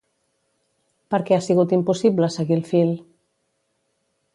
Per què ha sigut impossible seguir el fil?